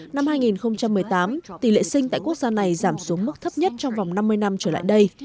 năm hai nghìn một mươi tám tỷ lệ sinh tại quốc gia này giảm xuống mức thấp nhất trong vòng năm mươi năm trở lại đây